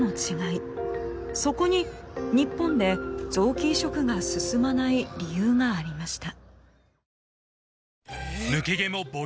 そこに日本で臓器移植が進まない理由がありました。